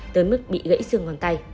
tới mức bị gãy xương ngón tay